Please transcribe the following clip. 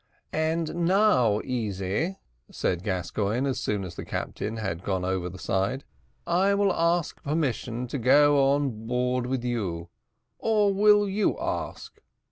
"And now, Easy," said Gascoigne, as soon as the captain had gone over the side, "I will ask permission to go on board with you or will you ask?"